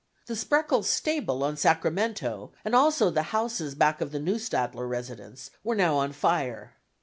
The Spreckels stable on Sacramento and also the houses back of the Neustadter residence were now on fire.